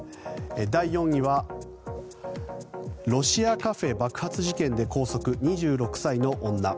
第４位はロシアカフェ爆発事件で拘束２６歳の女。